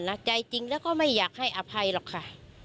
ใจจริงแล้วก็ไม่อยากให้อภัยหรอกค่ะ